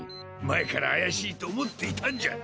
前からあやしいと思っていたんじゃ。